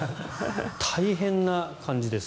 大変な感じです。